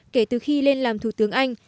kể từ khi lên làm thủ tướng anh